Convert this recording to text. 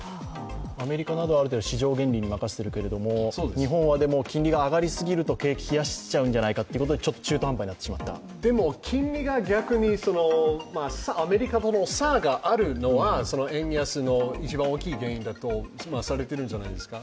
アメリカなどはある程度市場に任せてますけど日本は金利が上がりすぎると景気を冷やしちゃうんじゃないかということででも金利が逆に、アメリカとの差があるのは円安の一番大きい原因だとされてるんじゃないですか